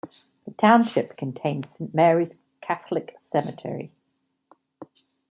The township contains Saint Mary's Catholic Cemetery.